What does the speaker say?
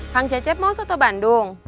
kang cecep mau soto bandung